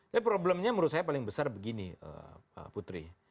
jadi problemnya menurut saya paling besar begini putri